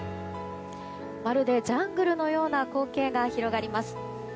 まるでジャングルのような光景が広がります。